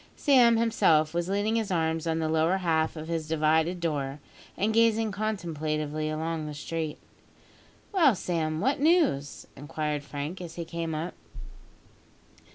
Sam himself was leaning his arms on the lower half of his divided door, and gazing contemplatively along the street. "Well, Sam, what news?" inquired Frank as he came up.